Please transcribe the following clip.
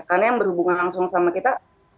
karena yang berhubungan langsung sama kita